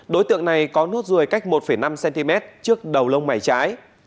đối tượng này có nốt ruồi cách một năm cm trước đầu lông mày trái